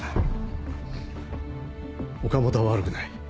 岡本は悪くない。